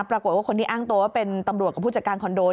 ปรากฏว่าคนที่อ้างตัวว่าเป็นตำรวจกับผู้จัดการคอนโด